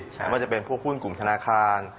แม้ว่าจะเป็นพวกหุ้นกลุ่มธนาคาร